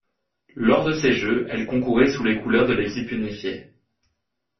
Lors de ces Jeux elle concourait sous les couleurs de l'Équipe unifiée.